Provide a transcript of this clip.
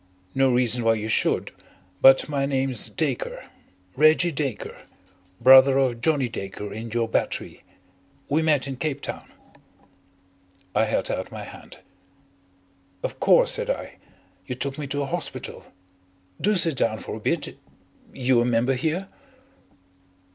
No reason why you should. But my name's Dacre Reggie Dacre, brother of Johnnie Dacre in your battery. We met in Cape Town." I held out my hand. "Of course," said I. "You took me to a hospital. Do sit down for a bit. You a member here?"